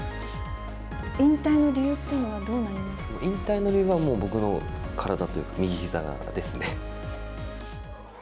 引退の理由というのはどうな引退の理由は、もう、僕の体というか、右ひざですね。